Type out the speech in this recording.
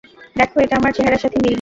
দেখো এটা আমার চেহারার সাথে মিল নেই।